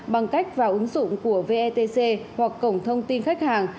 bằng cách vào ứng dụng của vetc hoặc cổng thông tin khách hàng